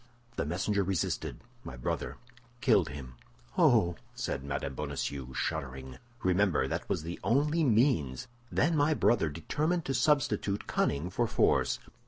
The messenger resisted; my brother killed him." "Oh!" said Mme. Bonacieux, shuddering. "Remember, that was the only means. Then my brother determined to substitute cunning for force.